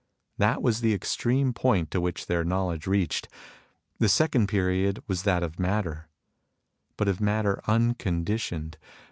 That was the extreme point to which their knowledge reached. The second period was that of matter, but of matter un conditioned.